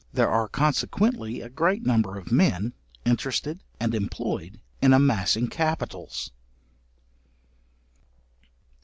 There are consequently a great number of men interested and employed in amassing capitals.